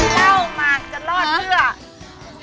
เล่ามากจะรอดเพื่อ